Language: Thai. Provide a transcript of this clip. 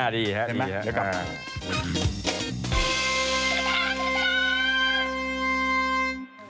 ดีครับ